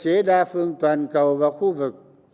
thứ hai cơ chế đa phương toàn cầu vào khu vực